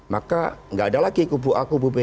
maka nggak ada lagi kubu a kubu b